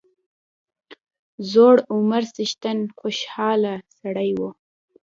زوړ عمر څښتن خوشاله سړی وو.